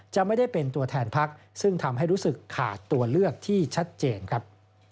จะไม่ได้เป็นตัวแทนพักซึ่งทำให้รู้สึกขาดตัวเลือกที่ชัดเจนครับ